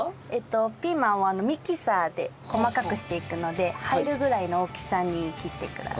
ピーマンをミキサーで細かくしていくので入るぐらいの大きさに切ってください。